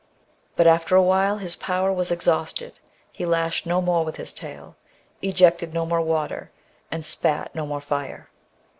But after a while his power was exhausted, he lashed no more with his tail, ejected no more water, and spat no more fire."